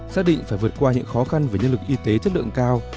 xác định phải vượt qua những khó khăn về nhân lực y tế chất lượng cao